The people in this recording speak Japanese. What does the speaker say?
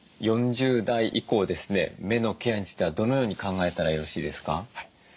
４０代以降ですね目のケアについてはどのように考えたらよろしいですか？